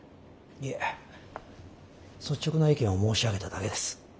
いえ率直な意見を申し上げただけです。